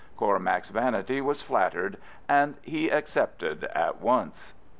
Cormac's vanity was flattered, and he accepted at once.